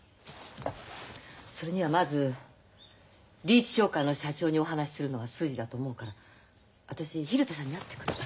それにはまずリーチ商会の社長にお話しするのが筋だと思うから私蛭田さんに会ってくるわ。